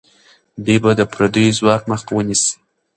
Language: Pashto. دوی به د پردیو ځواک مخه ونیسي.